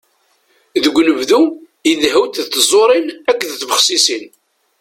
Deg unebdu, idehhu-d d tẓurin akked tbexsisin.